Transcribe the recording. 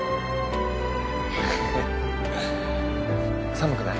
寒くない？